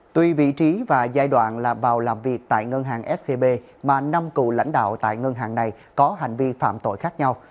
tuy vị trí và giai đoạn là vào làm việc tại ngân hàng scb mà năm cựu lãnh đạo tại ngân hàng này có hành vi phạm tội khác nhau